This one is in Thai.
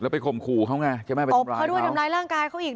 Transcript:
แล้วไปข่มขู่เขาไงใช่ไหมไปทำร้ายเขาเพราะด้วยทำร้ายร่างกายเขาอีก